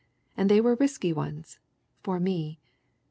And they were risky ones for me.